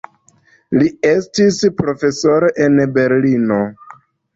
Li estis profesoro en Berlino.